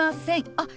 あっ。